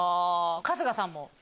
春日さんも？